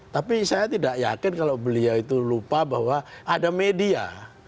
tapi saya tidak yakin kalau beliau itu lupa bahwa ada media